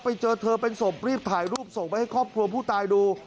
ไปเจอเธอเป็นศพรีบถ่ายรูปส่งไปให้ครอบครัวผู้ตายดู